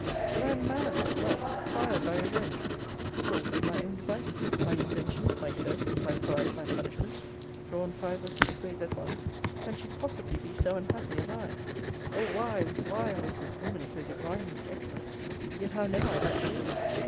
But I am mad with love fired by revenge puzzled with my own devices my invention is my curse my pride my punishment drawn five or six ways at once, can she possibly be so unhappy as I? O why, why, was this woman so divinely excellent! Yet how know I that she is?